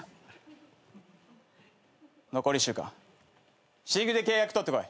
残り１週間死ぬ気で契約取ってこい。